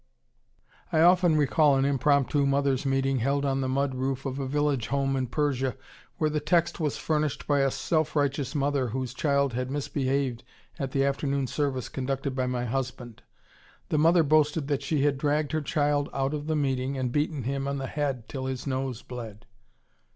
I often recall an impromptu mothers' meeting held on the mud roof of a village home in Persia, where the text was furnished by a self righteous mother whose child had misbehaved at the afternoon service conducted by my husband. The mother boasted that she had dragged her child out of the meeting and beaten him on the head till his nose bled.